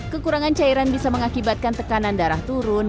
kekurangan cairan bisa mengakibatkan tekanan darah turun